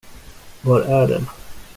Var är den?